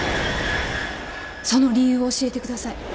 その理由を教えてください。